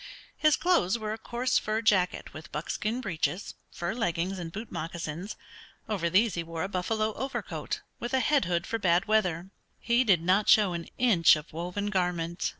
His clothes were a coarse fur jacket with buckskin breeches, fur leggings, and boot moccasins. Over these he wore a buffalo overcoat, with a head hood for bad weather. He did not show an inch of woven garment.